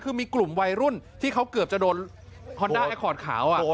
ซึ่งก็อย่างงี้พี่ฟังไม่เขาจะกินเยอะหล่ะ